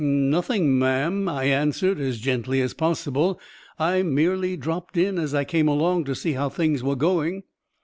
"'Nothing, ma'am,' I answered as gently as possible. 'I merely dropped in, as I came along, to see how things were going.'